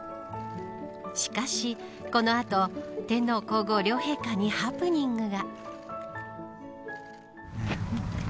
しかし、この後天皇、皇后両陛下にハプニングが。